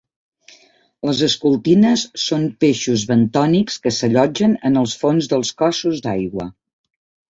Les escultines són peixos bentònics que s'allotgen en els fons dels cossos d'aigua.